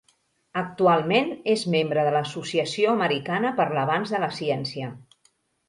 Actualment, és membre de l'Associació americana per l'avanç de la ciència.